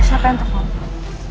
siapa yang telfon